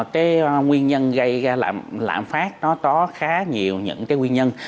cái nguyên nhân gây lãm phát nó có khá nhiều những cái nguyên nhân